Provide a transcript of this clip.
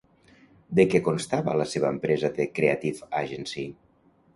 De què constava la seva empresa TheCreativeAgency?